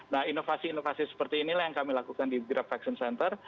nah inovasi inovasi seperti inilah yang kami lakukan di grab vaksin center